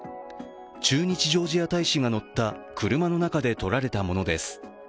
駐日ジョージア大使が乗った車の中で撮られたものです。